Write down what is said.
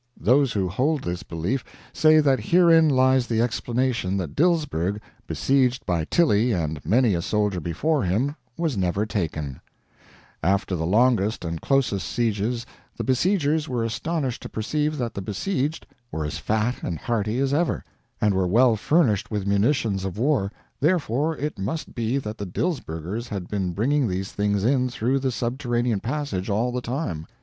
Those who hold this belief say that herein lies the explanation that Dilsberg, besieged by Tilly and many a soldier before him, was never taken: after the longest and closest sieges the besiegers were astonished to perceive that the besieged were as fat and hearty as ever, and were well furnished with munitions of war therefore it must be that the Dilsbergers had been bringing these things in through the subterranean passage all the time.